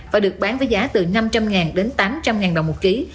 và được bán với giá từ năm trăm linh đến tám trăm linh đồng một ký